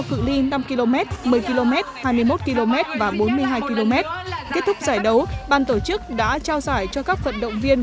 cự li năm km một mươi km hai mươi một km và bốn mươi hai km kết thúc giải đấu ban tổ chức đã trao giải cho các vận động viên